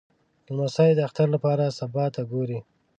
لمسی د اختر لپاره سبا ته ګوري.